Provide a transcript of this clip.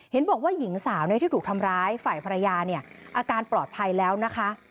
หนึ่งสาวที่ถูกทำร้ายฝ่ายภรรยาอาการปลอดภัยแล้วนะคะ